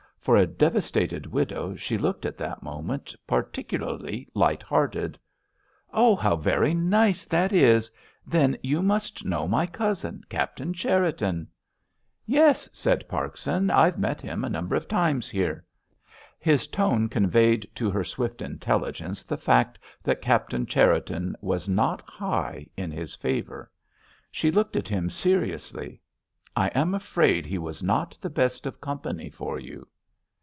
For a devastated widow she looked at that moment particularly light hearted. "Oh, how very nice that is. Then you must know my cousin, Captain Cherriton?" "Yes," said Parkson; "I've met him a number of times here." His tone conveyed to her swift intelligence the fact that Captain Cherriton was not high in his favour. She looked at him seriously. "I am afraid he was not the best of company for you."